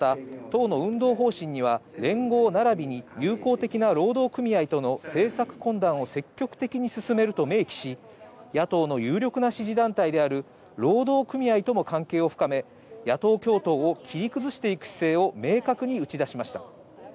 また党の運動方針には、連合ならびに友好的な労働組合との政策懇談を積極的に進めると明記し、野党の有力な支持団体である労働組合とも関係を深め、野党共闘を切り崩していく姿勢を明確に打ち出しました。